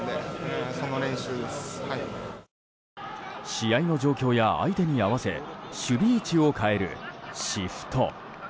試合の状況や相手に合わせ守備位置を変えるシフト。